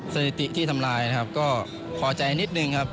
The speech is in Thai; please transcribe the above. สถิติที่ทำลายนะครับก็พอใจนิดนึงครับ